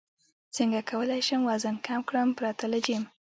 څنګه کولی شم وزن کم کړم پرته له جیم